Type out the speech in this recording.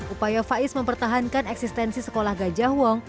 upaya faiz mempertahankan eksistensi sekolah gajah wong